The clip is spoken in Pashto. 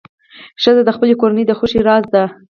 ښځه د خپلې کورنۍ د خوښۍ راز ده.